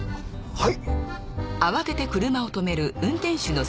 はい。